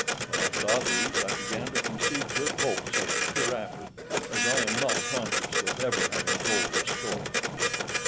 When I saw these I began to conceive good hopes of hereafter, as I am not conscious of ever having told a story.